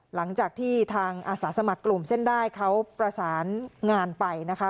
หลังจากที่ทางอาสาสมัครกลุ่มเส้นได้เขาประสานงานไปนะคะ